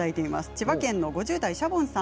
千葉県の５０代の方。